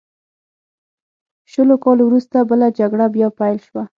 شلو کالو وروسته بله جګړه بیا پیل شوه.